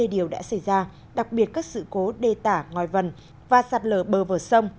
điều đã xảy ra đặc biệt các sự cố đê tả ngòi vần và sạt lờ bờ vờ sông